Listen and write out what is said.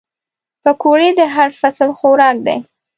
پکورې د هر فصل خوراک دي